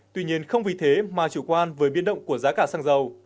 tuy nhiên không vì thế mà chủ quan với biến động của giá cả xăng dầu